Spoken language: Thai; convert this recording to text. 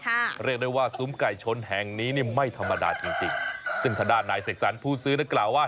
เรียกได้ว่าซุ้มไก่ชนแห่งนี้นี่ไม่ธรรมดาจริงจริงซึ่งทางด้านนายเสกสรรผู้ซื้อนั้นกล่าวว่า